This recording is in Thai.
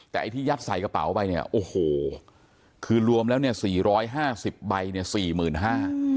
แต่ไอ้ที่ยัดใส่กระเป๋าไปเนี่ยโอ้โหคือรวมแล้วเนี่ยสี่ร้อยห้าสิบใบเนี่ยสี่หมื่นห้า